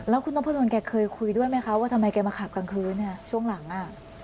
แล้วคุณนพดลแกเคยคุยด้วยไหมคะว่าทำไมแกมาขับกลางคืนช่วงหลังอ่ะ